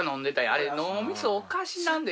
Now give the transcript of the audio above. あれ脳みそおかしなんで。